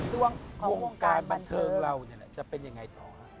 ด้วยวงการบันเทิงเราจะเป็นยังไงต่อ